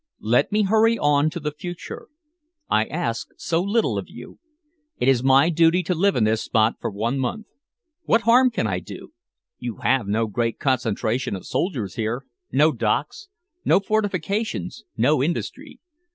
Let me hurry on to the future. I ask so little of you. It is my duty to live in this spot for one month. What harm can I do? You have no great concentration of soldiers here, no docks, no fortifications, no industry.